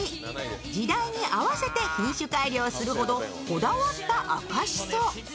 時代に合わせて品種改良するほどこだわった赤しそ。